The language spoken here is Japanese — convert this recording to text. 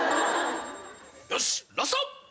よしラスト！